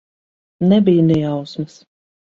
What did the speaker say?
Nebija ne jausmas.